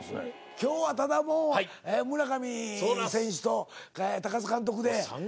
今日はただもう村上選手と津監督で。